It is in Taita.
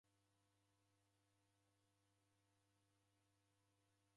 Rose ranekwa